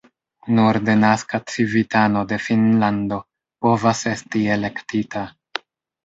Nur denaska civitano de Finnlando povas esti elektita.